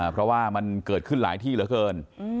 เพราะว่ามันเกิดขึ้นหลายที่เหลือเกิน